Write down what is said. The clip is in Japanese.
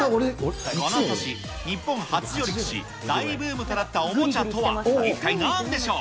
この年、日本初上陸し、大ブームとなったおもちゃとは、一体なんでしょう？